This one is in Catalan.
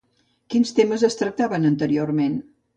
Quins temes es tractaven anteriorment?